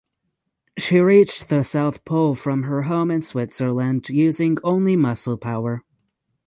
She reached the South Pole from her home in Switzerland using only muscle power.